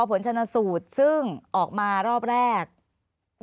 อันดับสุดท้ายแก่มือ